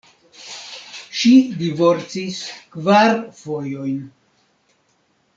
Ŝi divorcis kvar fojojn.